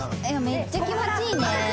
めっちゃ気持ちいいね